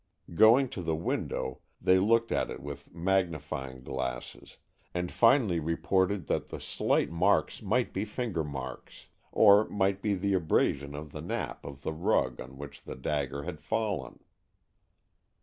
Going to the window, they looked at it with magnifying glasses, and finally reported that the slight marks might be finger marks, or might be the abrasion of the nap of the rug on which the dagger had fallen.